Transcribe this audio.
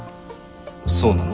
そうなの？